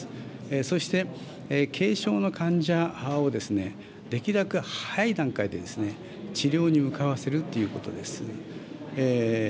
そして、軽症の患者をできるだけ早い段階で治療に向かわせるということです。